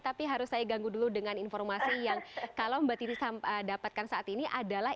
tapi harus saya ganggu dulu dengan informasi yang kalau mbak titi dapatkan saat ini adalah